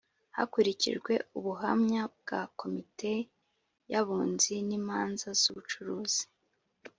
Hakurikijwe ubuhamya bwa komite y’abunzi n’imanza z’ubucuruzi